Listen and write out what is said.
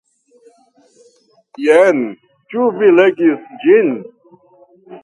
Jes, ĉu vi legis ĝin?